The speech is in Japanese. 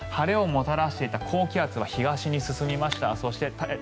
土曜日ですが晴れをもたらしていた高気圧は東に進みました。